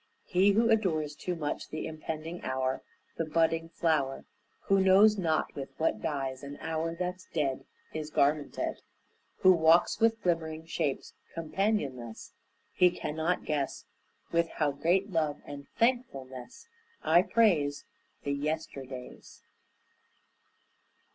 He who adores too much the impending hour, The budding flower, Who knows not with what dyes an hour that's dead Is garmented, Who walks with glimmering shapes companionless, He cannot guess With how great love and thankfulness I praise The yesterdays.